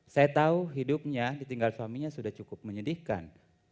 saya tahu hidupnya ditinggal suaminya sudah cukup menyedihkan